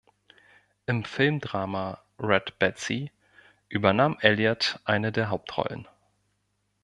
Im Filmdrama "Red Betsy" übernahm Elliott eine der Hauptrollen.